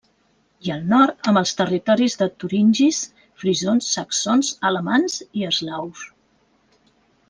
I al nord amb els territoris de turingis, frisons, saxons, alamans i eslaus.